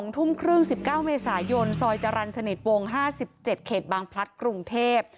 ทุ่มครึ่ง๑๙เมษายนซอยจรรย์สนิทวง๕๗เขตบางพลัดกรุงเทพ